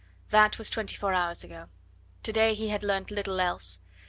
That was twenty four hours ago. To day he had learnt little else.